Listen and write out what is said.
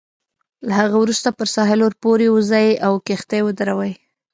له هغه وروسته پر ساحل ورپورې وزئ او کښتۍ ودروئ.